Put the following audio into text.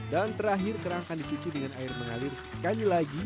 dan terakhir kerang akan dicuci dengan air mengalir sekali lagi